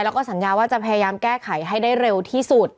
แล้วก็สัญญาว่าจะพยายามแก้ไขให้ได้เร็วที่สุด